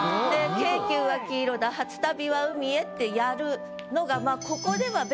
「京急は黄色だ初旅は海へ」ってやるのが。